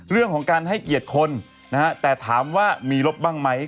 เรื่องของการให้เกียรติคนนะฮะแต่ถามว่ามีลบบ้างไหม